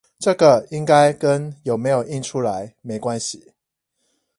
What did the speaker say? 這個應該跟有沒有印出來沒關係